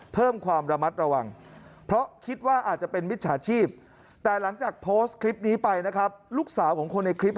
เพิ่มความระมัดระวัง